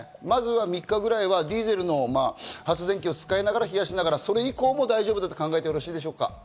まずは３日ぐらいはディーゼルの発電機を使いながら冷やしながらそれ以降も大丈夫だと考えてよろしいでしょうか？